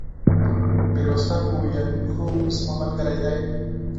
ميرويس خان وويل: هو، زما ملګری دی!